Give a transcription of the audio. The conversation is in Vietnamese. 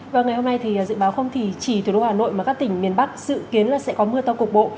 vâng ngày hôm nay thì dự báo không thì chỉ thủ đô hà nội mà các tỉnh miền bắc dự kiến là sẽ có mưa to cục bộ